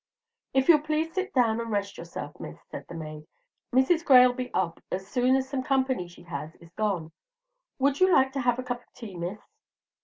"If you'll please sit down and rest yourself, Miss," said the maid, "Mrs. Gray'll be up as soon as some company she has is gone. Would you like to have a cup of tea, Miss?"